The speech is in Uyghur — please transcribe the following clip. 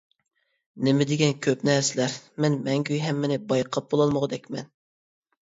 نېمىدېگەن كۆپ نەرسىلەر. مەن مەڭگۈ ھەممىنى بايقاپ بولالمىغۇدەكمەن!